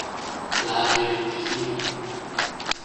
L’aria vegn pli fina.